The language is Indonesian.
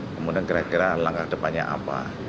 kemudian kira kira langkah depannya apa